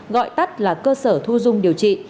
gọi tắt là cơ sở thu dung điều trị